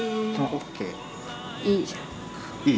ＯＫ．いいじゃん。